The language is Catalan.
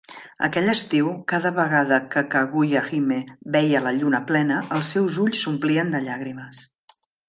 Aquell estiu, cada vegada que Kaguya-Hime veia la lluna plena, els seus ulls s'omplien de llàgrimes.